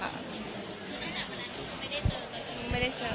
แล้วตั้งแต่วันนั้นคุณไม่ได้เจอกัน